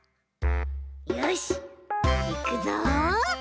よしいくぞ！